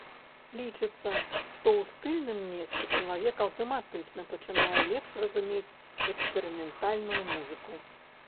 Лічыцца, што ў стыльным месцы чалавек аўтаматычна пачынае лепш разумець эксперыментальную музыку.